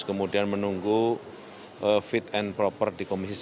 kemudian menunggu fit and proper di komisasi